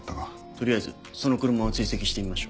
取りあえずその車を追跡してみましょう。